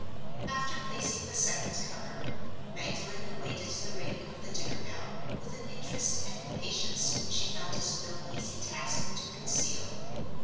After placing the second cover, Magdalen awaited the ringing of the dinner bell, with an interest and impatience which she found it no easy task to conceal.